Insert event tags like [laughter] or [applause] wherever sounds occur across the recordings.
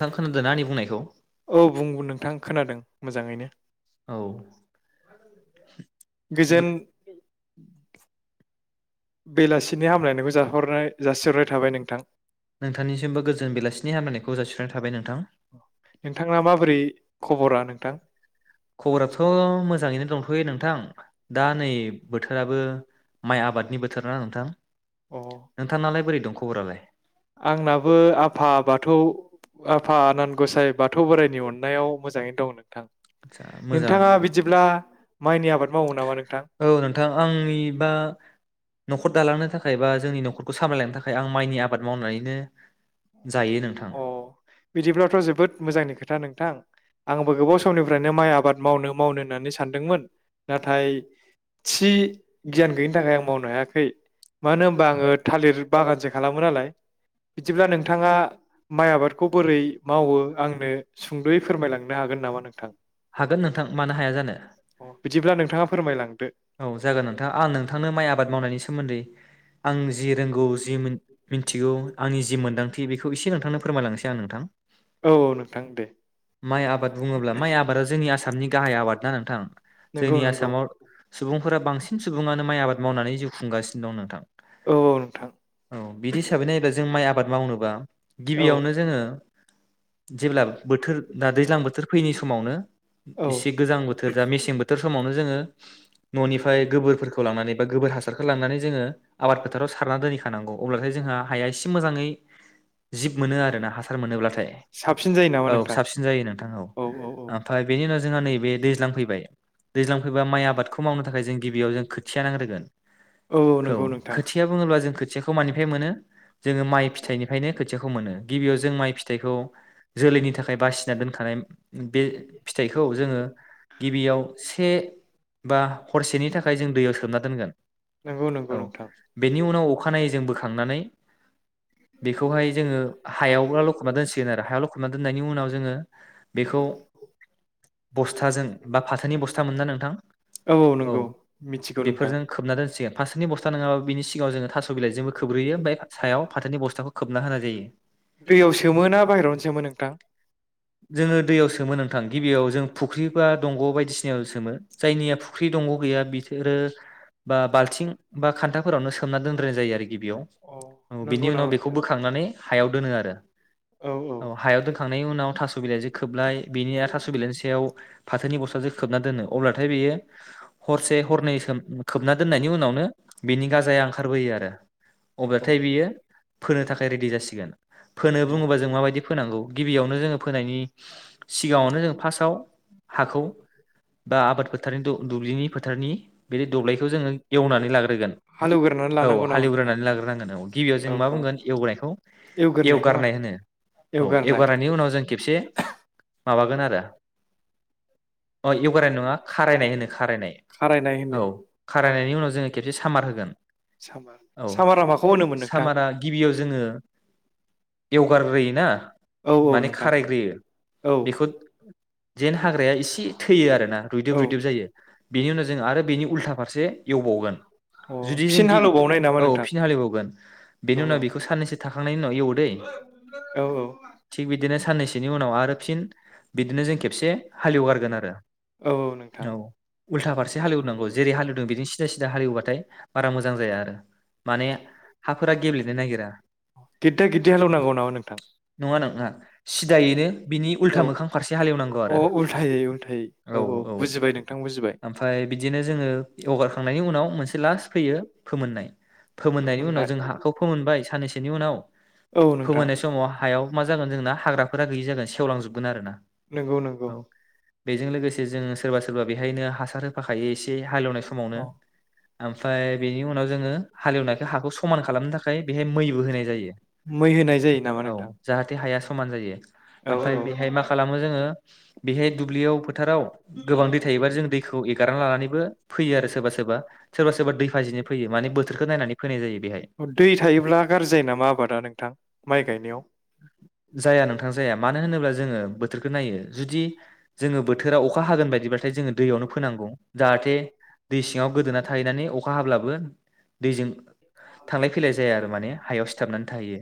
नोंथां खोनादोंना आंनि बुंनायखौ औ बुं नोंथां खोनादों मोजाङैनो औ [inaudible] गोजोन [inaudible] बेलासिनि हामलायनायखौ जाहरनाय जासिहरनाय थाबाय नोंथां नोंथांनिसिमबो गोजोन बेलासिनि हामलायनायखौ जासिस्रनाय थाबाय नोंथां नोंथांना माबोरै खबरा नोंथां खबराथ' मोजाङैनो दंथ'यो नोंथां दा नै बोथोरा बो माइ आबादनि थार ना नोंथां अ नोंथां नालाय बोरै दं खबरालाय आंनाबो आफा बाथौ आफा आनान आटस्सा गसाइ बाथौ बोराइनि अननायाव मोजाङैनो दं नोंथां मोजाङानो नोंथाङा बिदिब्ला माइनि आबाद मावो नामा नोंथां औ नोंथां आंनि बा नख खर दांनो थाखाय बा जोंनि नखरखौ सामायलांनो थाखाय खाय आं माइनि आबाद मावनानैनो जायो नोंथां अ बिदिब्लाथ' जोबोद मोजांनि खोथा नोंथां आंबो गोबाव समनिफ्रायनो माइ आबाद मावनो मावनो होननानै सानदोंमोन नाथाय थि गियान गैयिनि थाखाय आं मावनो हाया हायाखै मानो होनबा आङो थालिर बागानसो खालामो नालाय बिदिब्ला नोंथाङा माइ आबादखौ बोरै मावो आंनो सुंद'यै फोरमायलांनो हागोन नामा नोंथां हागोन नोंथां मानो हाया जानो बिदिब्ला नोंथाङा फोरमायलांदो औ जागोन नोंथां आं नोंथांनो माइ आबाद मावनायनि सोमोन्दै आं जि रोंगौ जि मिथिगौ आंनि जि मोन्दांथि बेखौ एसे नोंथांनो फोरमायलांनोसै आं नोंथां औ माइ आबाद बुङोब्ला माइ आबादा जोंनि आसामनि गाहाय आबाद ना नोंथां नंगौ जोंनि नंगौ आसामाव सुबुंफोरा बांसिन सुबुङानो माइ आबाद मावनानै जिउ खुं गासिनो दं नोंथां औ औ नोंथां औ बिदि हिसाबै नायोब्ला जों माइ आबाद मावनोबा औ गिबियावनो जोङो जेब्ला बोथोर दा दैज्लां बोथोर फैयैनि समावनो औ एसे गोजां बोथोर जा मेसें बोथोर समावनो जोङो न'निफ्राय गोबोरफोरखौ लांनानै गोबोर हासारखौ लांनानै जोङो आबाद फोथाराव सारनानै दोनैखानौ अब्लाथाय जोंहा हाया एसे मोजाङै जिब मोनो आर ना हासार मोनोब्लाथाय साबसिन जायो नामा औ नोंथां साबसिन जायो नोंथां औ ओमफ्राय बेनि उनाव जोंहा नैबे दैज्लां फैबाय दैज्लां फैबा माइ आबादखौ मावनो थाखाय जों गिबियाव जों खोथि थिया नांग्रोगोन औ नंगौ नोंथां खोथिया बुङोब्ला जों खोथियाखौ मानिफ्राय मोनो जोङो माइ फिथाइनिफ्रायनो खोथियाखौ मोनो गिबियाव जों माइ फिथाइखौ जोलैनि थाखाय आखाइ बासिना दोनखानाय बे फिथाइखौ जोङो गिबियाव से बा हरसेनि थाखाय जों दैयाव सोम सोमना दोनगोन नंगौ नंगौ औ नोंथां बेनि उनाव अखानायैजों बोखांनानै बेखौहाय जोङो हायावब्ला लखबना दोनसिगोन आरो हायाव लखमना दोननायनि उनाव जोङो बेखौ बस्थाजों बा फाथोनि बस्था मोना नोंथां औ औ मिथि बेफोरजों खोबना दोनसिगोन फारसेनि बस्था नङाबा बिनि सिगाङाव जोङो थास' बिलाइजोंबो खोब्रोयो ओम सायाव फाथोनि अ बस्थाखौ खोबना होनाय जायो दैयाव सोमोना बाहेरायावनो सोमो नोंथां जोङो दैयाव सोमो नोंथां गिबियाव जों फुख्रि बा दंग' बायदिसिनायाव सोमो जायनिया फुख्रि दंग' गैया बिसोरो बा बाल्थिं बा खान्थाफोरावनो सोमना दोनद्रायनाय जायो ओरै अ गिबियाव नंगौ बेनि उनाव नामा बेखौ नोंथां? बोखांनानै हायाव दोनो आरो [unintelligible] औ हायाव दोनखांनायनि उनाव थास' बिलाइजों खोबलाय बेनि आरो थास' बिलाइनि सायाव फाथोनि बस्थाजों खोबना दोनो अब्लाथाय बेयो हरसे हरनै सोम खोबना दोननायनि उनावनो बिनि गाजाया ओंखारबोयो आरो औ अब्लाथाय बियो फोनो थाखाय रेडि जासिगोन फोनो बुङोबा जों माबायदि फोनांगौ गिबियावनो जोङो फोनायनि सिगाङावनो जों फार्स्टआव हाखौ बा आबाद फोथारनि दुब्लिनि फोथारनि बिदि दब्लायखौ जोङो एवनानै लाग्रोगोन हालेवग्रोनानै औ लानांगौ नामा नोंथां? हालौग्रोनानै लाग्रोनांगोन औ गिबियाव जों औ मा औ बुंगोन एवबोनायखौ एवग्रोनायखौ मा एवगारनाय होनो औ एवगारनाय एवगारनायनि उनाव जों खेबसे माबागोन आरो अ एवगारनाय नङा खारायनाय होनो खारायनाय। खारायनाय औ होनो खारायनायनि उनाव जोङो खेबसे सामार होगोन सामार औ सामारा माखौ होनोमोन नोंथां? सामारा गिबियाव जोङो एवगारग्रोयोना औ औ माने नोंथां खारायग्रोयो औ बेखौ जेन हाग्राया एसे थैयो आरोना रुइदोब औ रुइदोब जायो बेनि उनाव जों आरो बिनि उलथा फारसे एवबावगोन अ जुदि जों फिन गिदि हालेवबावनाय नामा औ नोंथां? फिन हाल एवबावगोन औ बेनि उनाव बेखौ साननैसो थाखांनायनि उनाव एवो दै औ थिग बिदिनो साननैसोनि उनाव आरो फिन बिदिनो जों खेबसे हालेवगारगोन आरो औ नोंथां औ उल्था फारसे हालेवनां गौ जेरै हालौदों बिदि सिदा सिदा हालेव बाथाय बारा मोजां जाया आरो माने हा फोरा गेब्लेनो नागिरा गिददा गिददि हालेवनांगौ नामा नोंथां? नङा नङा सिदायैनो बिनि उल्था औ मोखां फारसे हालेवनांगौ अ आरो उल्थायै उल्थायै औ औ बुजिबाय नोंथां बुजिबाय आमफाय बि दिनो जोङो एवगारखांनायनि उनाव मोनसे लास्ट फैयो फोमोन फोमोननायनि उनाव होननाय जों हाखौ फोमोनबाय साननैसोनि उनाव औ नोंथां फोमोननाय समाव हायाव मा जागोन जोंना? हाग्राफोरा गैयि जागोन सेवलांजोबगोन आरो ना नंगौ नंगौ औ बेजों लोगोसे जों सोरबा सोरबा बेहायनो हासार हो बे एसे हालेवनाय समावनो औ ओमफाय बेनि उनाव जोङो हाल एवनायखो हाखौ समान खालामनो थाखाय बेहाय मैबो होनाय जायो मै होनाय जायो नामा औ नोंथां जाहाथे हा हाया समान जायो औ ओमफाय बिहाय मा खालामो जोङो बिहाय दुब्लियाव फोथाराव गोबां दै थायोबा जों दैखो खौ एगारना लानानैबो फैयो आरो सोरबा सोरबा सोरबा सोरबा दै फाजिनो फैयो माने बोथोरखौ नायनानै फैनाय जायो बेहाय। औ दै थायोब्ला गाज्रि जायो नामा आबादा नोंथां माइ गायनायाव जाया नोंथां जाया मानो होनोब्ला जोङो बोथोरखो नायो जुदि जोङो बोथोरा अखा हागोन बायदिब्लाथाय जों दैयावनो फोनांगौ जाहाथे दै सिङाव गोदोना थाहैनानै अखा हाब्ला बो दैजों थांलाय फैलाय जाया आरो माने हायाव सिथाबनानै थाहैयो।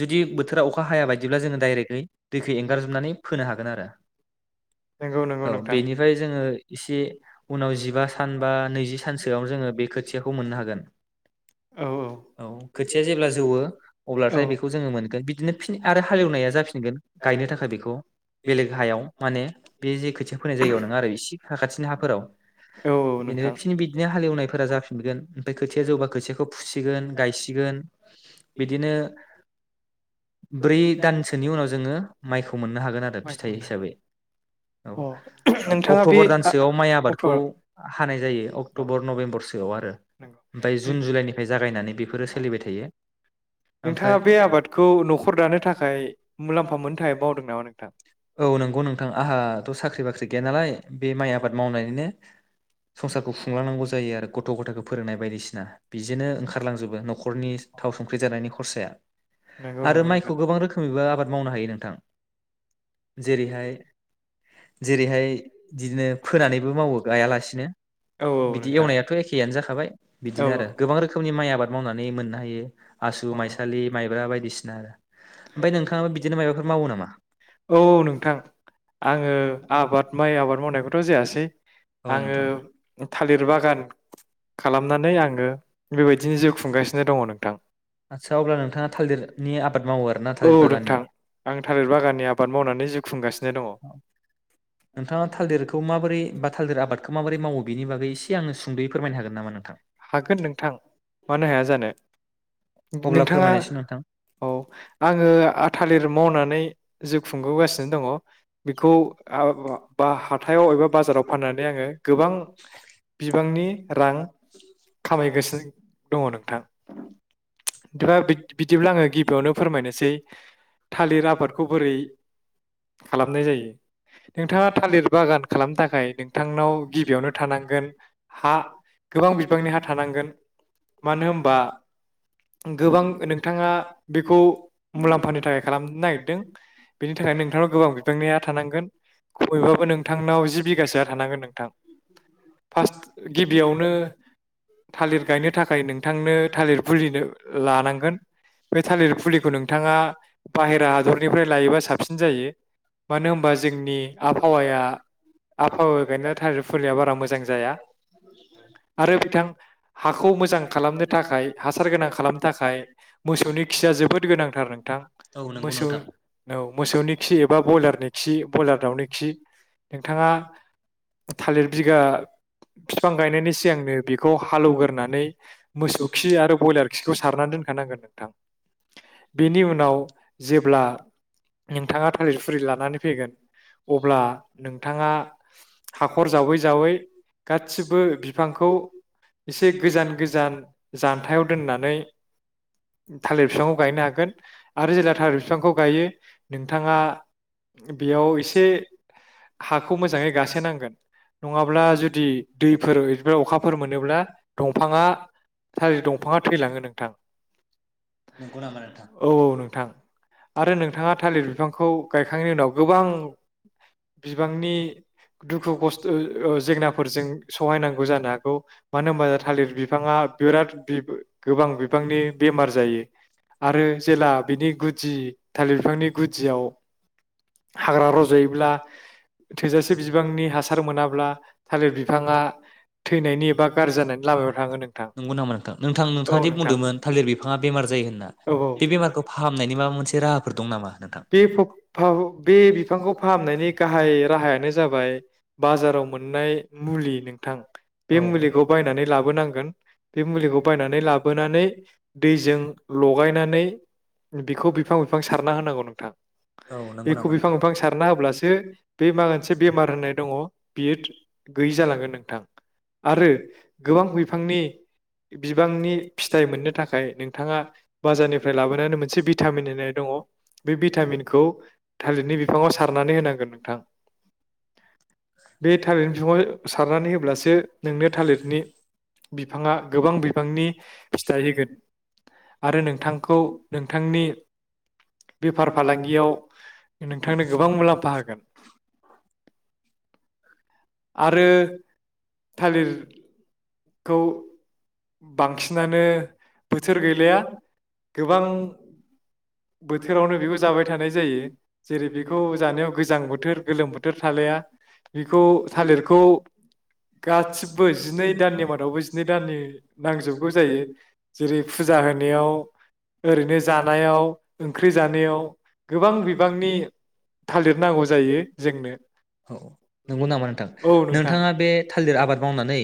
जुदि बोथोरा अखा हाया बायदिब्ला जोङो दायरेगै दैखो एंगारजोबनानै फोनो हागोन आरो। नंगौ नंगौ औ नोंथां बिनिफ्राय जोङो इसे उनाव जिबा सान बा नैजि सानसोआव जोङो बे खोथियाखौ मोननो हागोन औ खोथिया जेब्ला जौवो औ अब्लाथाय बेखौ जोङो मोनगोन बिदिनो फिन आरो हालेवनाया जाफिनगोन गायनो थाखाय बेखौ बेलेग हायाव माने बे जे खोथिया फोनाय जायगायाव नङा आरो इसे साखाथिनि हाफोराव औ बेनिफ्राय नोंथां फिन बिदिनो हालेवनायफोरा जाफिनगोन बे खोथिया जौबा खोथियाखौ फुसिगोन गायसिगोन बिदिनो ब्रै दानसोनि उनाव जोङो माइखौ मोननो हागोन आरो फिथाइ माइखौनो हिसाबै अ औ अ नोंथाङा बे अक्टबर आ दानसोआव माइ अक्ट' आबादखौ औ हानाय जायो अक्टबर नभेम्बरसोआव आरो नंगौ ओमफ्राय जुन जुलाइनिफ्राय जागायनानै बे फोर सोलिबाय थायो ओमफ्राय नोंथाङा बे आबादखौ नखर दानो थाखाय मुलाम्फा मोननो थाखाय मावदों नामा नोंथां आंहा थ साख्रि बाख्रि गैया नालाय बे अ माइ आबाद मावनानैनो [inaudible] संसारखौ खुंलांनांगौ जायो आरो गथ गथायखौ फोरोंनाय बायदिसिना बिजोंनो ओंखारलांजोबो नखरनि थाव संख्रि जानायनि खरसाया नंगौ आरो नंगौ माइखौ नोंथां गोबां रोखोमैबो आबाद मावनो हायो नोंथां जेरैहाय जेरैहाय बिदिनो फोनानैबो मावो गायालासिनो औ औ बिदि नोंथां एवनायाथ' एखेयानो जाखाबाय औ बिदिनो आरो औ गोबां रोखोमनि माइ आबाद मावनानै मोननो हायो आसु माइसालि माइब्रा बायदिसिना आरो ओमफाय नोंथाङाबो बिदिनो माबाफोर मावो नामा औ नोंथां आङो आबाद मावो माइ मावनायखोथ' जायासै आङो थालिर बागान खालामनानै आङो बेबायदिनो जिउ खुंगासिनो दङ नोंथां आदसा अब्ला नोंथाङा थालिरनि आबाद मावो आरोना औ थालिर बागाननि नोंथां आं थालिर बागाननि आबाद मावनानै जिउ खुंगासिनो दङ नोंथाङा थालिरखौ माबोरै बा थालिर आबादखौ माबोरै मावो बेनि बागै एसे आंनो सुंद'यै फोरायनो हागोन नामा नोंथां हागोन नोंथां मानो हाया जानो अब्ला नोंथाङा फोरमायनायसै नोंथां औ आङो आं थालिर मावनानै जिउ खुंबोगासिनो दङ बेखौ बा हाथायाव एबा बाजाराव फाननानै आङो गोबां बिबांनि रां खामायगासिनो दङ नोंथां नोंथाङा बि बिदिब्ला आङो गिबियावनो फोरमायनोसै थालिर आबादखौ बोरै खालामनाय जायो नोंथाङा थालिर बागान खालामनो थाखाय नोंथांनाव गिबियावनो थानांगोन हा गोबां बि बिबांनि हा थानांगोन मानो होमबा गोबां नोंथाङा बेखौ मुलाम्फानि थाखाय खालामनो नागिरदों बेनि थाखाय नोंथांनाव गोबां बिबांनि हा थानांगोन खमैबाबो नोंथांनाव जि बिगासोआ थानांगोन नोंथां फार्स्ट गिबियावनो थालिर गायनो थाखाय नोंथांनो थालिर फुलिनो आ लानांगोन थालिर फुलि नोंथाङा बाहेरा बायबा हादरनिफ्राय लायोबा गायनो साबसिन जायो मानो होनबा जोंनि आबहावाया आबहावा गायनाय थालिर फुलिया बारा मोजां जाया आरो आबहावानिफ्राय [unintelligible] बिथां हाखौ मोजां खालामनो थाखाय हासार गोनां खालाम थाखाय मोसौनि खिया जोबोद गोनांथार नोंथां औ नंगौ मोसौ नोंथां औ मोसौनि खि एबा बयलारनि खि बयलार दाउनि खि नोंथाङा थालिर बिगा बिफां गायनायनि सिगांनो बेखौ हालौवग्रोनानै मोसौ खि आरो बयलार खि बेखौ सारनानै दोनखानांगोन नोंथां बेनि उनाव जेब्ला नोंथाङा थालिर फुरि लानानै फैगोन अब्ला नोंथाङा हाखर जावै जावै गासिबो बिफांखौ एसे गोजान गोजान जान्थायाव दोननानै नै थालिर बिफांखौ गायनो हागोन आरो जेब्ला थालिर बिफांखौ गायो नोंथाङा बेयाव एसे हाखौ मोजाङै गासो नांगोन नङाब्ला जुदि बैफोर अखा फोर मोनोब्ला दंफाङा थालिर दंफाङा थैलाङो नोंथां नंगौ नामा नोंथां औ औ नोंथां आरो नोंथाङा थालिर बिफांखौ गायखांनायनि उनाव गोबां बिबांनि दुखु खस्थ' [unintelligible] गौ मानो होनबा थालिर बिफाङा बिराद गोबां बिफांनि बेमार जायो आरो जेला बिनि गुदि थालिर बिफांनि गुदियाव हाग्रा रज'योब्ला थोजासे बिबांनि हासार मोनाब्ला थालिर बिफाङा थैनायनि एबा गाज्रि जानायनि लामायाव थाङो नोंथां नंगौ नामा नोंथां नोंथां औ नोंथाङा दि नोंथां बुंदोंमोन थालिर बिफाङा बेमार जायो होनना औ औ बे बेमारखौ फाहामनायनि माबा मोनसे राहाफोर दं नामा नोंथां बे बे बिफांखौ फाहामनायनि गाहाय राहायानो जाबाय बाजाराव मोननाय मुलि नोंथां बे औ मुलिखौ बायनानै लाबोनांगोन बे मुलिखौ बायनानै लाबोनानै दैजों लगायनानै बेखौ बिफां बिफां सारना होनांगौ नों थां औ नंगौ बेखौ नामा बिफां नोंथां बिफां सारना होब्लासो बे मा मोनसे बेमार होननाय दङ बियो गैयि जालांगोन नोंथां आरो गोबां बिफांनि बिबांनि फिथाइ मोननो था खाय नोंथाङा बाजारनिफ्राय लाबोनानै मोनसे भिटामिन होनाय दङ बे भिटामिनखौ थालिरनि बिफाङाव सारनानै होनांगोन नोंथां बे थालिरनि बिफाङाव सारनानै होब्लासो नोंनो थालिरनि बिफाङा गोबां बिफांनि फिथाइ होगोन आरो नोंथांखौ नोंथांनि बेफार फालांगियाव नोंथांनो गोबां मुलामफा होगोन आरो थालिर खौ बांसिनानो बोथोर गैलाया गोबां बोथोरावनो बेबो जाबाय थानाय जायो जेरै बेखौ जानायाव गोजां बोथोर गोलोम बोथोर थालाया बिखौ थालिरखौ गासिबो जिनै दाननि मादावबो जिनै दाननि नांजोबगौ जायो जेरै फुजा होनायाव ओरैनो जानायाव [inaudible] औ ओंख्रि जानायाव गोबां बिबांनि थालिर नांगौ जायो जोंनो नंगौ नामा नोंथां औ नोंथां नोंथाङा बे थालिर आबाद मावनानै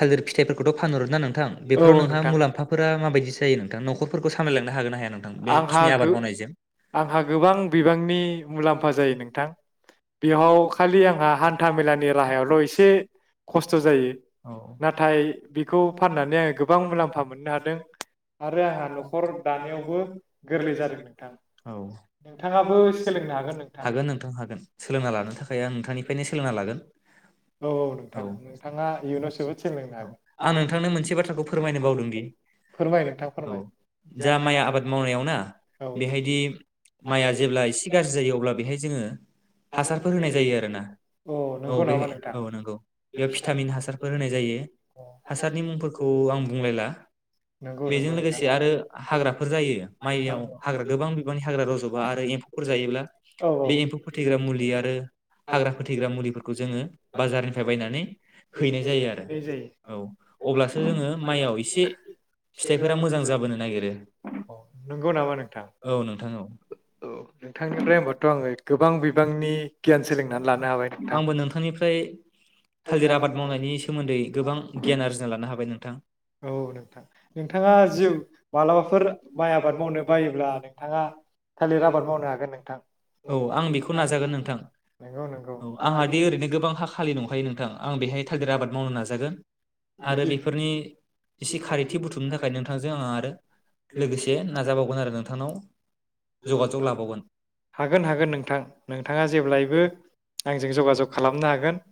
थालिर फिथाइफोरखौथ' फानहरो ना नों थां औ बेफोराव औ नोंहा नोंथां मुलामफाफोरा माबायदि? जायो‌ नोंथा नखफोरखौ सामालाय लांनो हागोनना हाया? नोंथां बे खि हा गो आंहा गोबां बिबांनि मुलामफा जायो नोंथां बेयाव खालि आंहा हानथा मेलानि राहायावल' एसे खस्थ' जायो नाथाय बिखौ फाननानै आङो गोबां मुलामफा मोननो हादों आरो आंहा न'खर दानायावबो गोरलै जादों नोंथां औ हागोन नोंथां हागोन सोलोंना लानो थाखाय आं नोंथांनिफायनो सोलोंना लागोन। औ औ नोंथां नोंथाङा इयुनाव जोबोद सोलोंनो हागोन आं नोंथांनो मोनसे बाथ्राखौ फोरमायनो बावदोंदि फोरमाय नोंथां औ फोरमाय जा माइ आबाद मावनायाव ना औ बेहायदि माइआ जेब्ला एसे गाज्रि जायो अब्ला बेहाय जोङो हासारफोर होनाय जायो आरोना अ औ नंगौ बे नामा नोंथां औ नोंगौ बेयाव फिटामिन हासारफोर होनाय जायो अ हासारनि मुंफोरखौ आं बुंलायला नंगौ बेजों नंगौ नोंथां लोगोसे औ आरो हाग्राफोर जायो। माइयाव हाग्रा गोबां बिबांनि हाग्रा रज'बा आरो एम्फौफोर जायोब्ला औ बे एम्फौ फोथैग्रा मुलि औ आरो हाग्रा फोथैग्रा मुलिफोरखौ जोङो बाजारनिफ्राय बायनानै हैनाय जायो आरो बिनाय जायो औ अब्लासो जोङो माइयाव एसे फिथाइफोरा मोजां जाबोनो नागिरो। औ नंगौ नामा नोंथां औ नोंथां औ औ नोंथांनिफ्राय होमबाथ' आङो गोबां बिबांनि गियान सोलोंनानै लानो हाबाय नोंथां फ्राय थालिर आबाद मावनायनि सोमोन्दै गोबां गियान आरजिना लानो हाबाय नोंथां औ नोंथां नोंथाङा नोंथाङा जिउ मालाबाफोर माइ माराबाफोर आबाद मावनो बायोब्ला नोंथाङा थालिर आबाद मावनो हागोन नोंथां औ आं बेखौ नाजागोन नोंथां नोंगौ नोंगौ। औ आंहा दि ओरैनो खालि दंखायो नोंथां आं बेहाय थालिर आबाद मावनो नाजागोन आरो बिदि बेफोरनि एसे खारिथि बुथुमनो थाखाय नोंथांजों आंहा आरो लोगोसे नाजाबावगोन आरो नोंथांनाव जगाजग लाबावगोन हागोन हागोन नोंथां नोंथाङा जेब्लायबो आंजों जगाजग खालामनो हागोन।